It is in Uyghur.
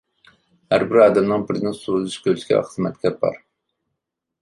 ھەربىر ئادەمنىڭ بىردىن سۇ ئۈزۈش كۆلچىكى ۋە خىزمەتكار بار.